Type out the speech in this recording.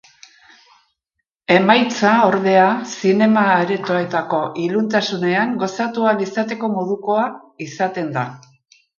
Emaitza, ordea, zinema aretoetako iluntasunean gozatu ahal izateko modukoa izaten da.